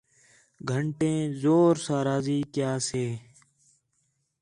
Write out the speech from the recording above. گھݨیں زور ساں راضی کَیا سے